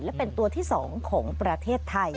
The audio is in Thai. และเป็นตัวที่๒ของประเทศไทย